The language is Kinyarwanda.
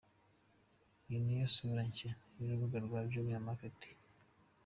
Iyi ni yo sura nshya y’urubuga rwa Jumia Market.